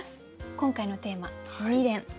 今回のテーマ「未練」。